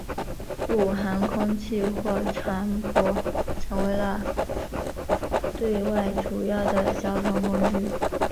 故航空器或船舶成为了对外主要的交通工具。